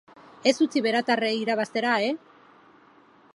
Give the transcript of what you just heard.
Ez utzi beratarrei irabaztera, e!